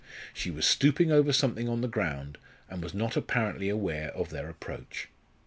She was stooping over something on the ground, and was not apparently aware of their approach.